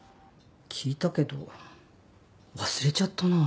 聞いたけど忘れちゃったなぁ。